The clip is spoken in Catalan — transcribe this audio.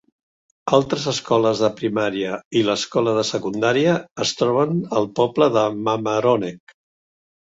Altres escoles de primària i l'escola de secundària es troben al poble de Mamaroneck.